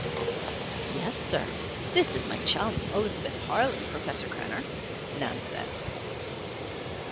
"Yes, sir. This is my chum, Elizabeth Harley, Professor Krenner," Nan said.